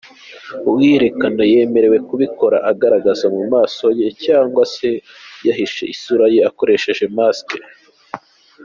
Uwiyerekana yemerewe kubikora agaragara mu maso ye cyangwa se yahishe isura akoresheje ‘mask’.